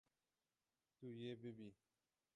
Tu yê bibî.